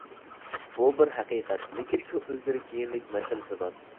بۇ بىر ھەقىقەت، لېكىن شۇ ئىلگىرى كېيىنلىك مەسىلىسى بار.